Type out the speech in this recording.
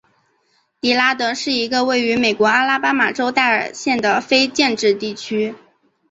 迪拉德是一个位于美国阿拉巴马州戴尔县的非建制地区。